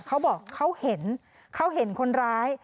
เขาบอกเขาเห็นเขาเห็นคนร้าย